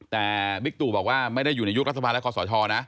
แต่บิ๊กตู่บอกว่าไม่ได้อยู่ในยุครัฐบาลและคอสชนะ